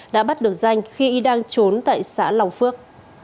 đã bắt được danh khi đang trốn tại xã lòng phước